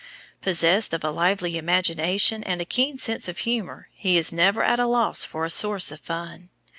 Possessed of a lively imagination and a keen sense of humor, he is never at a loss for a source of fun.